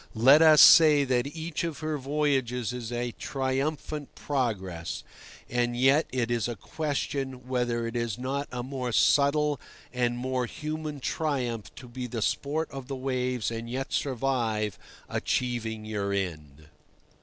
Let us say that each of her voyages is a triumphant progress; and yet it is a question whether it is not a more subtle and more human triumph to be the sport of the waves and yet survive, achieving your end.